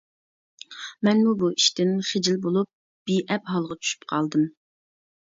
مەنمۇ بۇ ئىشتىن خىجىل بولۇپ بىئەپ ھالغا چۈشۈپ قالدىم.